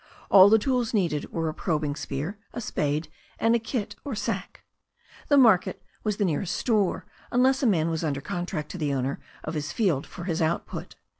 All the tools needed were a probing spear, a spade and a kit or sack. The market was the nearest store, unless a man was under con tract to the owner of his field for his output.